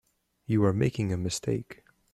You are making a mistake.